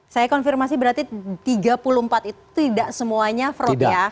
saya konfirmasi berarti tiga puluh empat itu tidak semuanya fraud ya